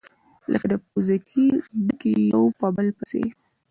لكه د پوزکي ډَکي يو په بل پسي،